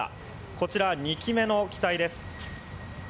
こちら、２機目の機体です。